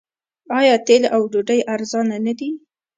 آیا تیل او ډوډۍ ارزانه نه دي؟